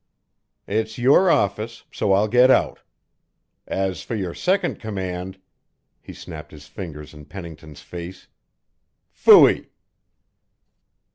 "It's your office so I'll get out. As for your second command" he snapped his fingers in Pennington's face "fooey!"